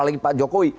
apalagi pak jokowi